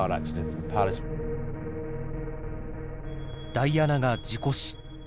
ダイアナが事故死。